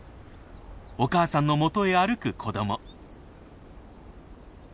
お母さんのもとへ歩く子ども。